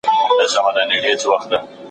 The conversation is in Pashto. انټرنېټ د معلوماتو ترلاسه کول چټک او آسانه کوي.